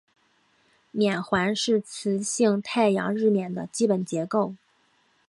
冕环是磁性太阳日冕的基本结构。